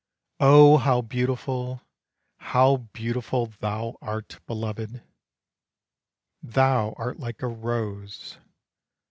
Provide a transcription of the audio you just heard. Oh how beautiful! how beautiful thou art, belovèd! Thou art like a rose.